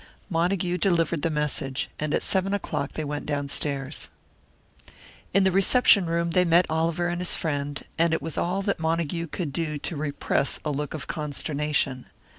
Montague delivered the message, and at seven o'clock they went downstairs. In the reception room they met Oliver and his friend, and it was all that Montague could do to repress a look of consternation.